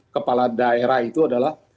kepala daerah itu adalah